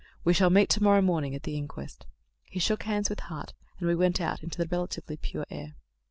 "We shall meet to morrow morning at the inquest." He shook hands with Hart, and we went out into the relatively pure air.